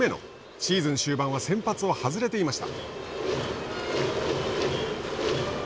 シーズン終盤は先発を外れていました。